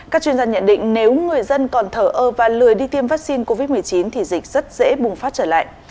các chuyên gia nhận định nếu người dân còn thở ơ và lười đi tiêm vaccine covid một mươi chín thì dịch rất dễ bùng phát trở lại